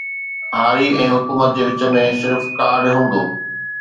هاري ۽ حڪومت جي وچ ۾ صرف ڪارڊ هوندو